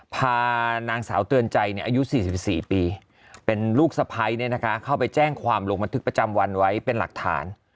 พานางสาวเตือนใจอายุ๔๔ปีเป็นลูกสะพ้ายเข้าไปแจ้งความลงบันทึกประจำวันไว้เป็นหลักฐาน